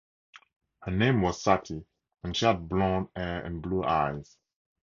Her name was Sati, and she had blonde hair and blue eyes.